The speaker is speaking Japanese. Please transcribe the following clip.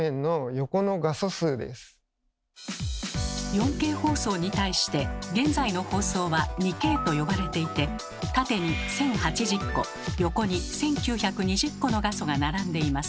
４Ｋ放送に対して現在の放送は「２Ｋ」と呼ばれていて縦に１，０８０個横に１，９２０個の画素が並んでいます。